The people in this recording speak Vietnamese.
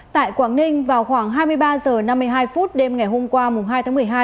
tại quảng ninh vào khoảng hai mươi ba h năm mươi hai phút đêm ngày hôm qua hai tháng một mươi hai